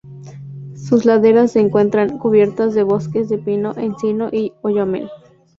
Sus laderas se encuentran cubiertas de bosques de pino, encino y oyamel.